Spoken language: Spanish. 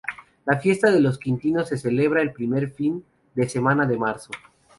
La fiesta de Los Quintos se celebra el primer fin de semana de marzo.